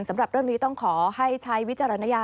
สำหรับเรื่องนี้ต้องขอให้ใช้วิจารณญาณ